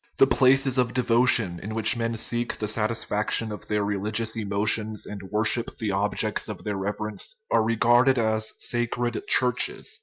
The places of devotion, in which men seek the satisfaction of their religious emotions and worship the objects of their reverence, are regarded as sacred " churches."